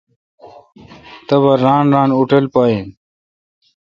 تبا ران ران اوٹل پہ این۔